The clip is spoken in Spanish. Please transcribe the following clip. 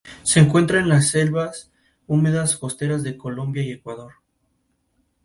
Por lo tanto, Cronos era responsable indirecto de la formación de la alianza Tau'ri-Tok'ra.